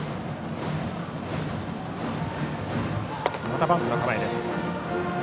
またバントの構え。